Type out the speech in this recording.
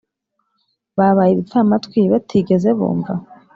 babaye ibipfamatwi batigeze bumva?